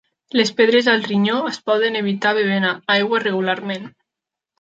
Les pedres al ronyó es poden evitar bevent aigua regularment.